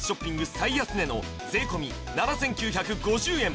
最安値の税込７９５０円